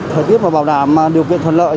thời tiết mà bảo đảm điều kiện thuận lợi